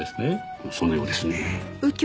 そのようですね。